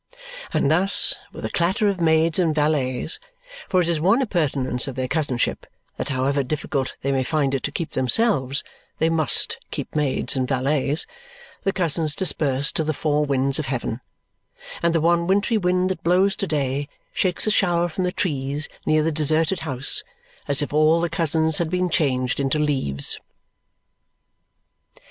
And thus, with a clatter of maids and valets for it is one appurtenance of their cousinship that however difficult they may find it to keep themselves, they MUST keep maids and valets the cousins disperse to the four winds of heaven; and the one wintry wind that blows to day shakes a shower from the trees near the deserted house, as if all the cousins had been changed into leaves.